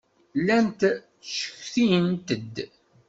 Llant ttcetkint-d.